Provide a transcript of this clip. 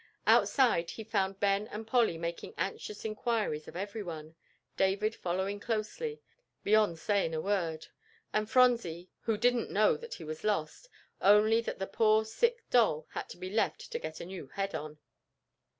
Outside he found Ben and Polly making anxious inquiries of every one; David following closely, beyond saying a word, and Phronsie, who didn't know that he was lost, only that the poor sick doll had to be left to get a new head on.